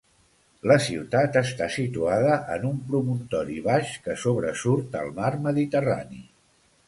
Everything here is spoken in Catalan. La ciutat està situada en un promontori baix que sobresurt al mar Mediterrani.